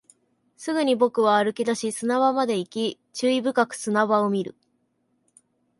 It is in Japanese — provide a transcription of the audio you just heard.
すぐに僕は歩き出し、砂場まで行き、注意深く砂場を見る